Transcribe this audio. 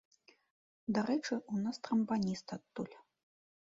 Дарэчы, у нас трамбаніст адтуль.